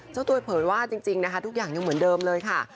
เจ้าตัวเผยว่าจริงนะคะทุกอย่างยังเหมือนเดิมเลยค่ะ